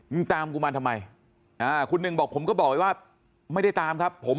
ตามกูมาทำไมอ่าคุณหนึ่งบอกผมก็บอกไปว่าไม่ได้ตามครับผม